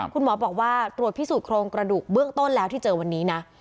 คุณหมอบอกว่าตรวจพิสูจนโครงกระดูกเบื้องต้นแล้วที่เจอวันนี้นะ